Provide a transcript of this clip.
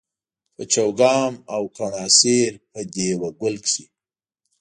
په چوګام او کڼاسېر په دېوه ګل کښي